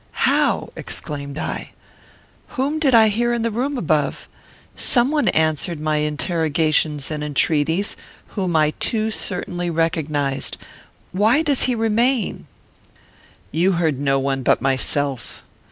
"How?" exclaimed I. "Whom did I hear in the room above? Some one answered my interrogations and entreaties, whom I too certainly recognised. Why does he remain?" "You heard no one but myself.